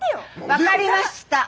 分かりました。